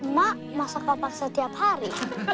mak masak opak setiap hari